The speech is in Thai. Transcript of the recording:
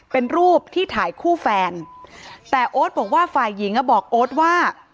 เป็นรูปที่ถ่ายคู่แฟนแต่โอ๊ตบอกว่าฝ่ายหญิงอ่ะบอกโอ๊ตว่า